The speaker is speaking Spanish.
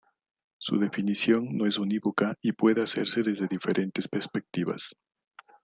Su definición no es unívoca y puede hacerse desde diferentes perspectivas.